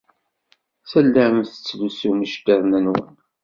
Tellam tettlusum iceḍḍiḍen-nwen.